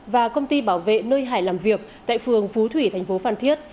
và công ty bảo vệ nơi hải làm việc tại phường phú thủy tp phan thiết